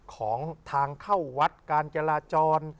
ของทางเข้าวัดการจราจร